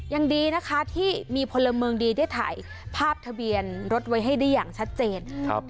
ยังดีนะคะที่มีพลเมืองดีได้ถ่ายภาพทะเบียนรถไว้ให้ได้อย่างชัดเจนครับ